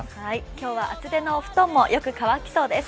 今日は厚手のお布団もよく乾きそうです。